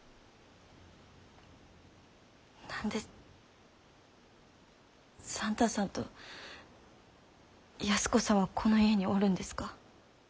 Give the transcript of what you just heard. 何で算太さんと安子さんはこの家におるんですか？